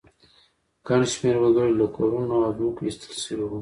ګڼ شمېر وګړي له کورونو او ځمکو ایستل شوي وو